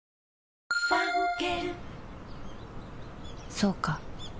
そうか